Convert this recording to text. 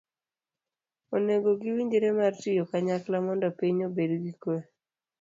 onego giwinjre mar tiyo kanyakla mondo piny obed gi kwe.